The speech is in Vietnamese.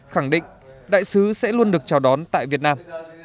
khẳng định đại sứ sẽ luôn được chào đón tại việt nam